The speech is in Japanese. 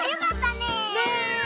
ねえ。